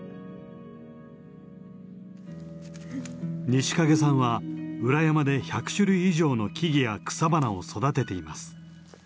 西蔭さんは裏山で１００種類以上の木々や草花を育てています。